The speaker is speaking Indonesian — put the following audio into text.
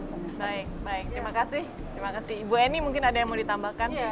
baik baik terima kasih terima kasih ibu eni mungkin ada yang mau ditambahkan